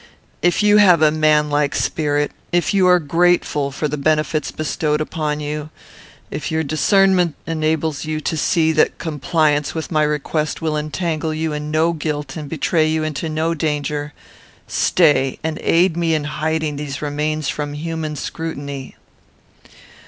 If you have a manlike spirit, if you are grateful for the benefits bestowed upon you, if your discernment enables you to see that compliance with my request will entangle you in no guilt and betray you into no danger, stay, and aid me in hiding these remains from human scrutiny.